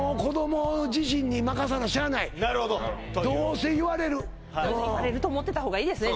これはなるほどどうせ言われる言われると思ってたほうがいいですね